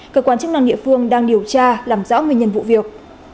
cơ quan chức năng địa phương đang điều tra làm rõ nguyên nhân vụ việc